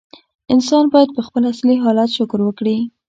انسان باید په خپل اصلي حالت شکر وکړي.